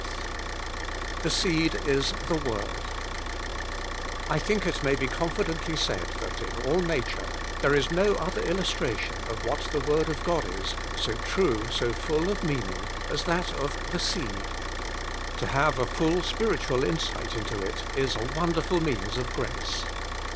VIII THE SEED IS THE WORD I THINK it may be confidently said that in all nature there is no other illustration of what the Word of God is, so true, so full of meaning, as that of the seed. To have a full spiritual insight into it is a wonderful means of grace.